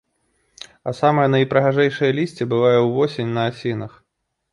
А самае найпрыгажэйшае лісце бывае ўвосень на асінах.